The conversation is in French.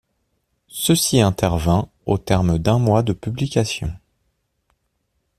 Ceci intervint au terme d'un mois de publications.